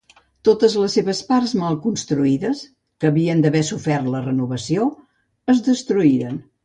Totes les seves parts mal construïdes, que havien d'haver sofert la renovació, es destruïren.